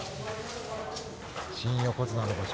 新横綱の場所